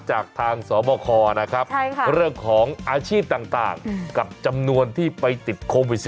จากทางสบคนะครับเรื่องของอาชีพต่างกับจำนวนที่ไปติดโควิด๑๙